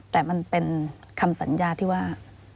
แต่มันเป็นคำสัญญาที่ว่า